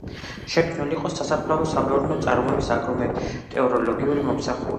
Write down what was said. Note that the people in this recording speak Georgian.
შექმნილი იყო სასოფლო-სამეურნეო წარმოების აგრომეტეოროლოგიური მომსახურება.